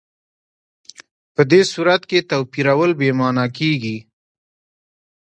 په دې صورت کې توپیرول بې معنا کېږي.